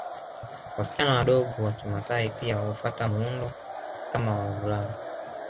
Wasichana wadogo wa kimaasai pia hufata muundo kama wa wavulana